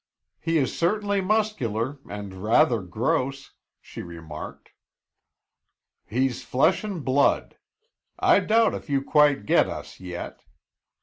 "He is certainly muscular, and rather gross," she remarked. "He's flesh and blood. I doubt if you quite get us yet.